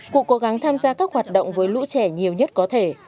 cụ cố gắng tham gia các hoạt động với lũ trẻ nhiều nhất có thể